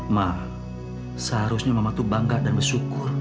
ma seharusnya mama itu bangga dan bersyukur